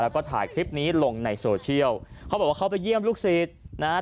แล้วก็ถ่ายคลิปนี้ลงในโซเชียลเขาบอกว่าเขาไปเยี่ยมลูกศิษย์นะฮะ